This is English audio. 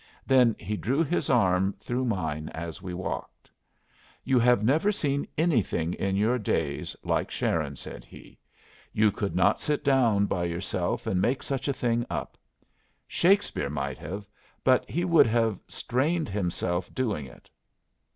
Then he drew his arm through mine as we walked. "You have never seen anything in your days like Sharon," said he. "You could not sit down by yourself and make such a thing up. Shakespeare might have, but he would have strained himself doing it.